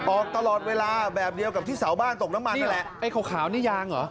ออกตลอดเวลาแบบเดียวกับที่เสาบ้านตกน้ำมันนี่แหละไอ้ขาวนี่ยางเหรอ